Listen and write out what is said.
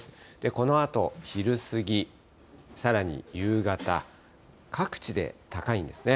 このあと、昼過ぎ、さらに夕方、各地で高いんですね。